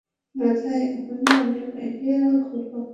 মাথায় এখনি অনেক আইডিয়া ঘুরপাক খাচ্ছে।